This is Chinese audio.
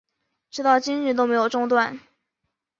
直到今日都没有中断